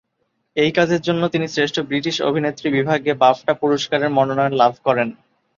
এই কাজের জন্য তিনি শ্রেষ্ঠ ব্রিটিশ অভিনেত্রী বিভাগে বাফটা পুরস্কারের মনোনয়ন লাভ করেন।